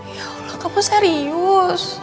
ya allah kamu serius